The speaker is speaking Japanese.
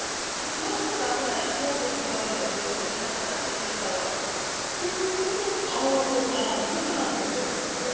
ますますヒヤっとする場面が増えるんじゃないかという心配はありますね。ということと緩和が結びつかないイメージがありますよね。